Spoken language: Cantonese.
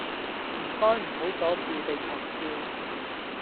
唔該唔好阻住地球轉